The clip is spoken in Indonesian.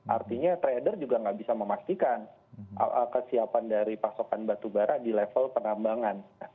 artinya trader juga nggak bisa memastikan kesiapan dari pasokan batubara di level penambangan